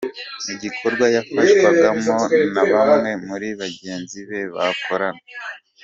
Igikorwa yafashwagamo na bamwe muri bagenzi be bakorana.